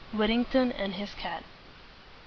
WHITTINGTON AND HIS CAT. I.